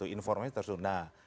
informasi terstruktur nah